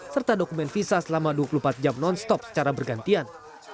serta dokumen visa selama dua puluh empat jam non stop secara bergantian